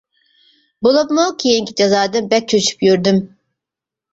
بولۇپمۇ كېيىنكى جازادىن بەك چۆچۈپ يۈردۈم.